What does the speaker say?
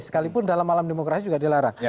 sekalipun dalam alam demokrasi juga dilarang